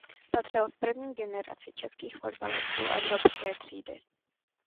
Patřil k první generaci českých fotbalistů evropské třídy.